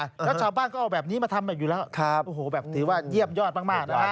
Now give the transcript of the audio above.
แล้วชาวบ้านก็เอาแบบนี้มาทำแบบอยู่แล้วโอ้โหแบบถือว่าเยี่ยมยอดมากนะครับ